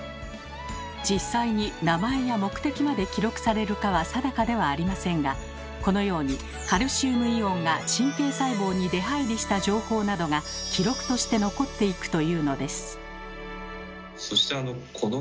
実際に名前や目的まで記録されるかは定かではありませんがこのようにカルシウムイオンが神経細胞に出はいりした情報などが記録として残っていくというのです。